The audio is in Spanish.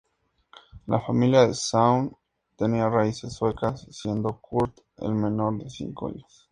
La familia de Swan tenía raíces suecas, siendo Curt el menor de cinco hijos.